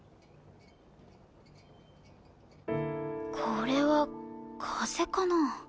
これは風邪かな？